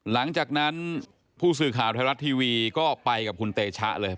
หลังจากนั้นผู้สื่อข่าวไทยรัฐทีวีก็ไปกับคุณเตชะเลย